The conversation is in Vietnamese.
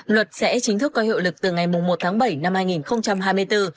luật sẽ chính thức có hiệu lực từ ngày một tháng bảy năm hai nghìn hai mươi bốn